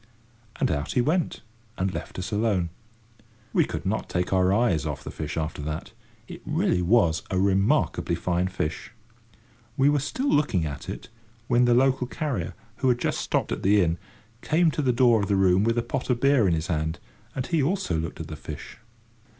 And out he went, and left us alone. We could not take our eyes off the fish after that. It really was a remarkably fine fish. We were still looking at it, when the local carrier, who had just stopped at the inn, came to the door of the room with a pot of beer in his hand, and he also looked at the fish.